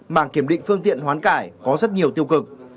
mà kiểm định phương tiện hoán cải có rất nhiều tiêu cực